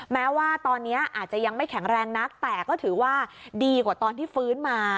แม้ว่าตอนนี้อาจจะยังไม่แข็งแรงนักแต่ก็ถือว่าดีกว่าตอนที่ฟื้นมา